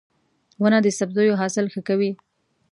• ونه د سبزیو حاصل ښه کوي.